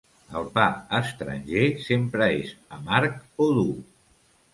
El pa estranger sempre és amarg o dur.